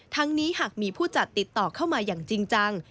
นี้หากมีผู้จัดติดต่อเข้ามาอย่างจริงจัง